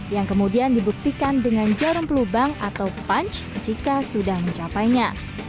yang kemudian dibuktikan dengan jarum pelubang atau punch jika sudah mencapainya